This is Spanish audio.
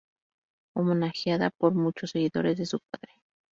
Homenajeada por muchos seguidores de su padre.